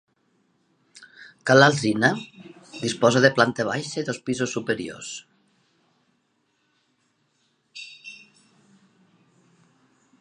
Ca l'Alzina disposa de planta baixa i dos pisos superiors.